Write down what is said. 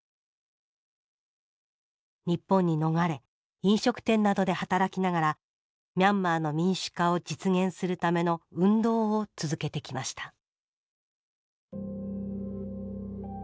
日本に逃れ飲食店などで働きながらミャンマーの民主化を実現するための運動を続けてきました。